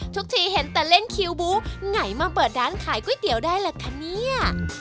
ทุกทีเห็นแต่เล่นคิวบู๊ไหนมาเปิดร้านขายก๋วยเตี๋ยวได้ล่ะคะเนี่ย